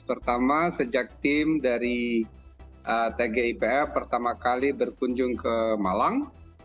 pertama sejak tim dari tgipf pertama kali berkunjung ke malang